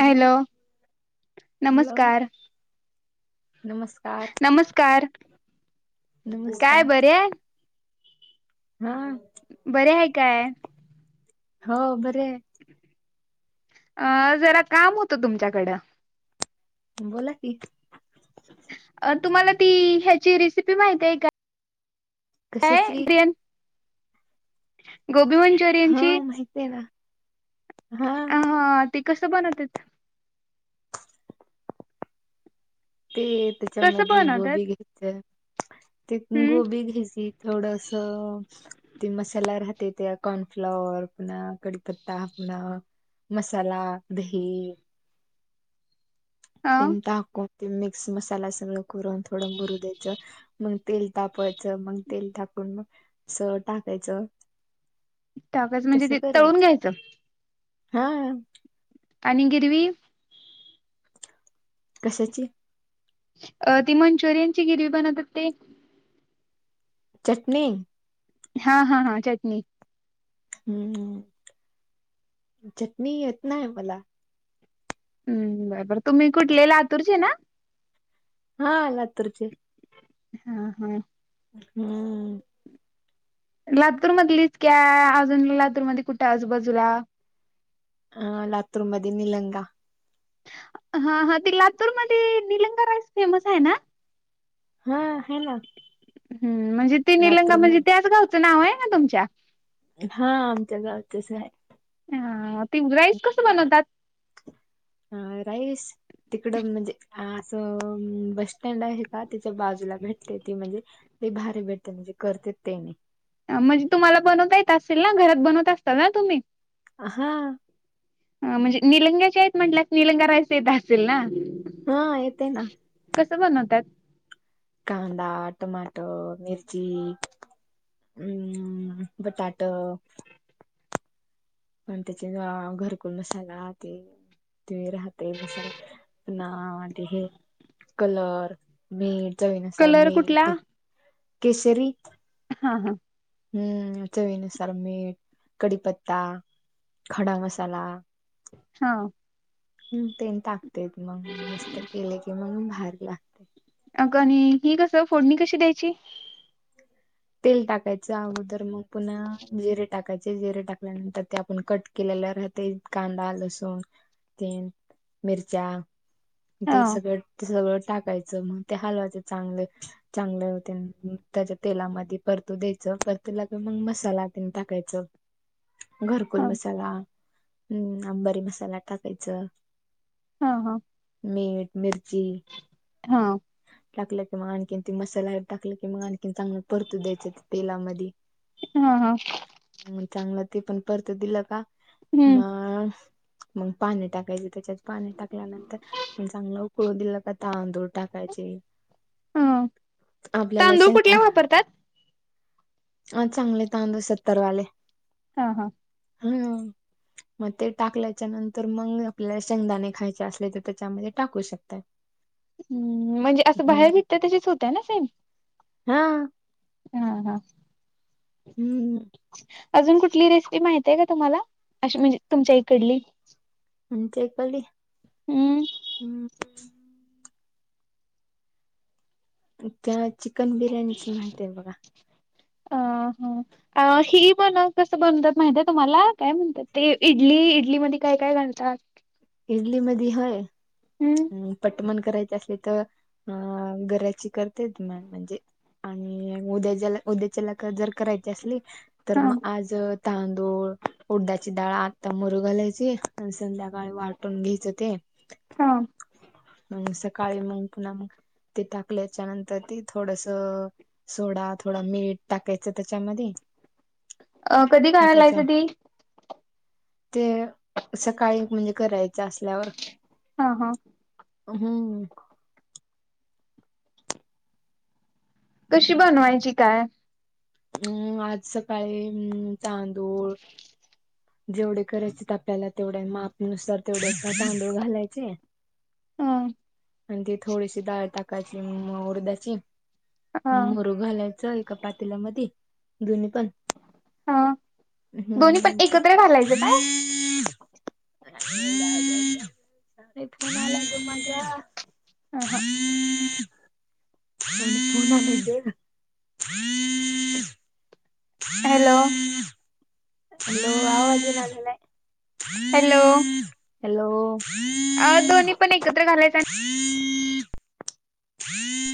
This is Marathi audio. हॅलो हॅलो नमस्कार नमस्कार नमस्कार काय नमस्कार बरे हाय हा बरी हाय काय? हो बरी हाय अ जरा काम होतं तुमच्याकडं बोला की तुम्हाला ती ह्याची रेसिपी माहिती हाय का? काय [inaudible] कशाची गोबी मान्चुरी हा मंचुरियनची माहिती आहे ना हा हा ते कस बनत्यात ते कसं त्याच्यामध्ये बनवतात कोबी घ्यायचं ते हम्म कोबी घ्यायची थोडंसं ते मसाला राहते त्यया कॉर्नफ्लॉवर पुन्हा कडीपत्ता पुन्हा मसाला दही अ तेन टाकून ते मिक्स मसाला सगळं करून थोडं मुरू द्यायचं मग तेल तापवायचं मग तेल टाकूनग मग सगळं टाकायचं टाकायचं म्हणजे तस ते तळून करायच घ्यायचं हा आणि गिरवी कशाची अ ती मंचुरियन ची गिरवी बनवत्यात ते चटनी हा हा हा चटणी हम चटणी येत नाय मला हम बर बर तुम्ही कुठले लातुरचे ना हा लातूर चे हा हा हम लातूर मधलीच काय अजून लातूर मध्ये कुठ आजूबाजूला अ लातुर मधे निलंगा हा हा ते लातूरमध्ये निलंगा राईस फेमस हाय ना हा हाय ना हम् म्हणजे ते निलंगा लातूर म्हणजे मध्ये त्याच गावचं नाव आहे ना तुमच्या? हा आमच्या गावांचाच आहे. हा, ति‌ राईस कस बनवतात? हा, राईस. तिकडं म्हणजे असं बस स्टँड आहे का, तिच्या बाजूला भेटते, ती म्हणजे ते भारी भेटते, म्हणजे करते तेनि. म्हणजे तुम्हाला बनवता येत असेल ना, घरात बनवत असतल ना तुम्ही? अ हा. आ म्हणजे निलंग्याच्या आहेत, म्हंटल्या निलंगा राईस येत असेल ना? हा येते ना. कसं बनवतात? कांदा, टमाट, मिर्ची हम्म, बटाट आण त्याचात घरकुल मसाला ते ते राहतेय मसाला, पुन्हा ते हे कलर मीठ चवीनुसार कलर कुठला? मीठ. केशरी? हा हा. हम्म. चवीनुसार मीठ, कडीपत्ता, - खडा मसाला. हा. हम् तेल टाकते म मस्त केले की, मग भाज अकणी, ही कसं फोडणी कशी द्यायची? तेल टाकायचं अगोदर मग पुन्हा जिरे टाकायचे जिरे टाकल्यानंतर त्यापण कट केलेला राहते कांदा, लसूण तेन मिरच्या म ते हा. सगळं सगळं टाकायचं. हम्म. ते हलवाचे चांगल-चांगल होते त्याच्या तेलाम ते परतू द्यायचं परतूला, तर मग मसाला त टाकायचं. घरकुल हा मसाला, हम् अंबारी मसाला टाकायच. हा हा. मीठ, मिर्ची [inaudible] हा. टाकलं की, मग आणखीन ते मसाला टाकलं की, मग आणखीन चांगलं परतू द्यायचं तेलामध्ये. हा हा. हम् चांगलं ते पण परतु दिलं का, हम्म मग मग पाणी टाकायचे त्याच्यात पाणी टाकल्यानंतर, म चांगलं उकळून दिलं का तांदूळ टाकायचे. हा आपल्याला तांदूळ शंका. कुठला वापरतात? हा चांगले तांदूळ सत्तरवाले. हा हा. हम्. मग ते टाकल्याच्या नंतर मग आपल्याला शेंगदाणे खायचे असले तर, त्याच्यामध्ये टाकू शकतात. म्हणजे असं बाहेर हम्म विकतय तशीच होतं ना सेम? हा. हा हा. हम्म. अजून कुठली रेसिपी माहती आहे का तुम्हाला? अस म्हणजे तुमच्या इकडली. ते [unintelligible] एक पली हम्म हम् [inaudible] त्या चिकन बिर्याणीची माहिती आहे बघा. अ हा! अ ही पण कसं बनवतात माहित आहे तुम्हाला काय म्हणतात ते इडली इडलीमध्येध्ये काय काय घालतात? [inaudible] इडली मधी हाय हम्म ह पटमन करायची असली तर अ गऱ्याची करत्यात म म्हणजे आणि उद्याच्याला, उद्याच्याला जर करायची असली तर हा मग आज तांदूळ उडदाची डाळ आता मरु घालायची आणि संध्याकाळी वाट वाटून घ्यायचं ते. हां. मगं सकाळी, मगं, पुन्हा मगं ते टाकल्याच्यानंतर ते थोडंसं सोडा थोडा मीठ टाकायचं त्यांच्यामध्ये. अ कधी घालायच ती? ते सकाळी म्हणजे करायचं असल्यावर. हां हां. हम्म्म. कशी बनवायची काय? अंम आज सकाळी अंम तांदूळ जेवढे करायचेत आपल्याला तेवढ्या मापनुसार तेवढ्यास तांदूळ घालायचे. अं. आणि ती थोडीशी डाळ टाकायची मगं उडदाची, हा मुरू घालाय त एका पातिल्या मधी दोन्ही पण हा दोन्ही पण हम. एकत्र घालायचं काय [inaudible] हा हा [inaudible] [unintelligible] हॅलो! हॅलो! आवाज येईना झालय हॅलो हॅलो! अं दोन्ही पण एकत्र घालायच आणि [inaudible] [inaudible]